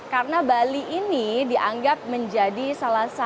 karena bali ini dianggap menjadi salah satu pilihan